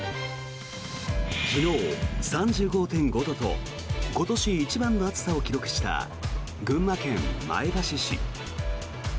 昨日、３５．５度と今年一番の暑さを記録した群馬県前橋市。